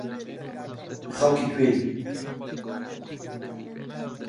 خەڵکی کوێی؟